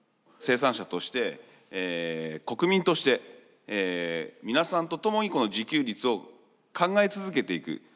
生産者として国民として皆さんと共にこの自給率を考え続けていく。